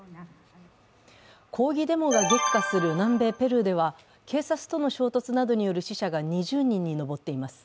抗議デモが激化する南米ペルーでは警察との衝突などによる死者が２０人に上っています。